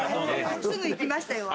すぐ行きましたよ。